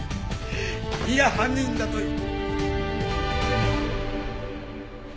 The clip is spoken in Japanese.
君が犯人だという。